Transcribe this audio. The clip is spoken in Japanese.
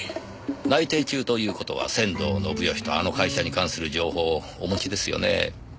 内偵中という事は仙道信義とあの会社に関する情報をお持ちですよねえ。